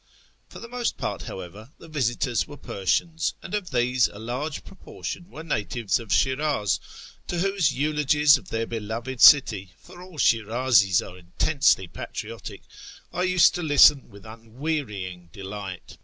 For the most part, however, the visitors were Persians, and of these a large proportion were natives of Shiraz, to whose eulogies of their beloved city (for all Shirazis are intensely patriotic) I used to listen with unwearying delight.